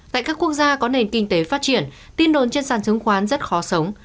tại các quốc gia có nền kinh tế phát triển tin đồn trên sàn chứng khoán rất khó sống